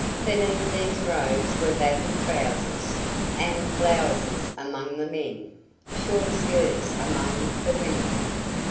Beneath these robes were baggy trousers and blouses among the men, short skirts among the women.